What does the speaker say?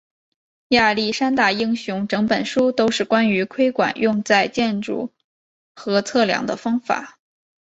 亚历山大英雄整本书都是关于窥管用在建筑和测量的方法。